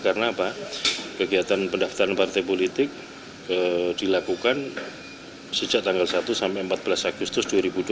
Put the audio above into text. karena apa kegiatan pendaftaran partai politik dilakukan sejak tanggal satu sampai empat belas agustus dua ribu dua puluh dua